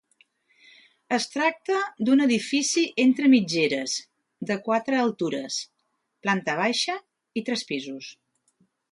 Es tracta d'un edifici entre mitgeres, de quatre altures; planta baixa i tres pisos.